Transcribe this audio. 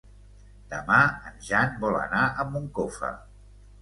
Demà en Jan vol anar a Moncofa.